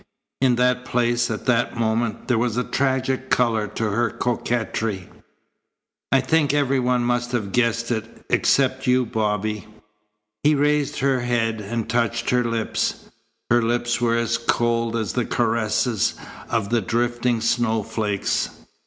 In that place, at that moment, there was a tragic colour to her coquetry. "I think every one must have guessed it except you, Bobby." He raised her head and touched her lips. Her lips were as cold as the caresses of the drifting snowflakes.